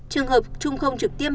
trường hợp trung không trực tiếp